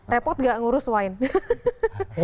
repot gak ngurus wine